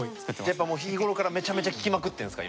やっぱもう日頃からめちゃめちゃ聴きまくってるんですか？